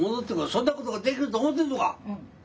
そんなことができると思てんのか！」。